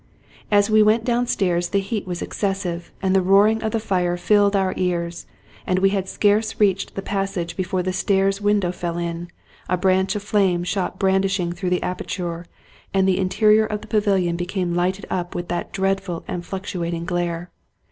As we went downstairs the heat was excessive, and the roaring of the fire filled our ears ; and we had scarce reached the passage before the stairs window fell in, a branch of flame shot brandishing through the aperture, and the in terior of the pavilion became lighted up with that dreadful and fluctuating glare.